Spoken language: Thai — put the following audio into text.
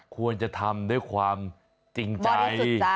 ควรจะทำด้วยความจริงใจ